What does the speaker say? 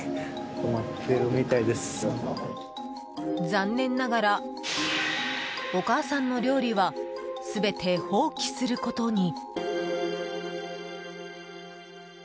残念ながら、お母さんの料理は全て放棄することに。